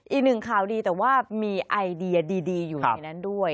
อีกหนึ่งข่าวดีแต่ว่ามีไอเดียดีอยู่ในนั้นด้วย